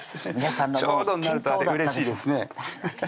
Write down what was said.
ちょうどになるとうれしいですね